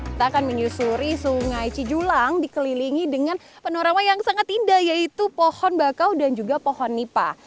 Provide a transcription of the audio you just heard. kita akan menyusuri sungai cijulang dikelilingi dengan penerama yang sangat indah yaitu pohon bakau dan juga pohon nipah